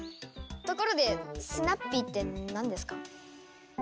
ところでスナッピーって何ですか？